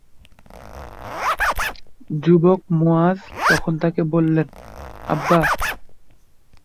যুবক মুয়ায তখন তাকে বললেন, আব্বা!